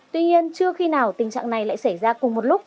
tuy nhiên chưa khi nào tình trạng này lại xảy ra cùng một lúc